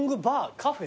カフェ？